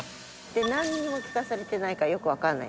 なんにも聞かされてないからよくわかんない。